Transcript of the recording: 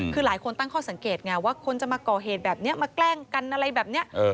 คือหลายคนตั้งข้อสังเกตไงว่าคนจะมาก่อเหตุแบบนี้มาแกล้งกันอะไรแบบนี้